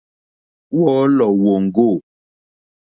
Wɔ̌lɔ̀ wóŋɡô.